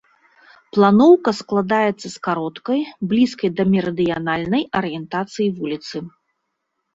Планоўка складаецца з кароткай, блізкай да мерыдыянальнай арыентацыі вуліцы.